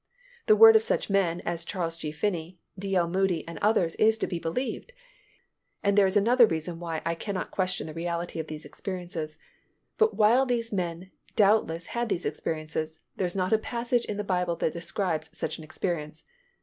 The word of such men as Charles G. Finney, D. L. Moody and others is to be believed, and there is another reason why I cannot question the reality of these experiences, but while these men doubtless had these experiences, there is not a passage in the Bible that describes such an experience.